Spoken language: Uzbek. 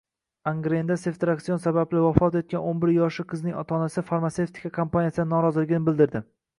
Angrenda Seftriakson sabab vafot etgano´n biryoshli qizning ota-onasi farmatsevtika kompaniyasidan noroziligini bildirdi